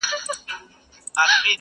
ښکلی یې قد و قامت وو ډېر بې حده حسندار.